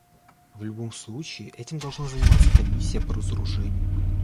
В любом случае этим должна заниматься Комиссия по разоружению.